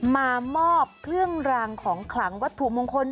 มามอบเครื่องรางของขลังวัตถุมงคล